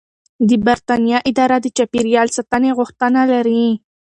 د بریتانیا اداره د چاپیریال ساتنې غوښتنه لري.